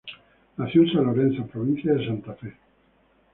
Nació en San Lorenzo, Provincia de Santa Fe.